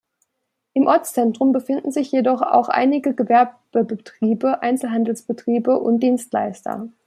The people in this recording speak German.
Im Ortszentrum befinden sich jedoch auch einige Gewerbebetriebe, Einzelhandelsbetriebe und Dienstleister.